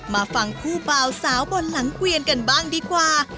มาฟังคู่เบาสาวบนหลังเกวียนกันบ้างดีกว่า